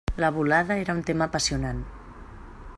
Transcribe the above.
La volada era un tema apassionant.